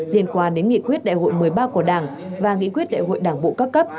liên quan đến nghị quyết đại hội một mươi ba của đảng và nghị quyết đại hội đảng bộ các cấp